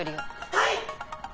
はい！